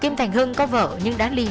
kim thành hưng có vợ nhưng không có tài liệu